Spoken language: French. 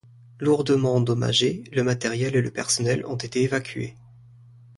Lourdement endommagé, le matériel et le personnel ont été évacués.